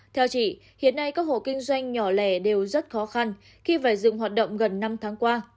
theo chị hiện nay các hộ kinh doanh nhỏ lẻ đều rất khó khăn khi phải dừng hoạt động gần năm tháng qua